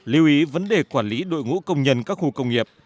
lưu ý vấn đề quản lý đội ngũ công nhân các khu công nghiệp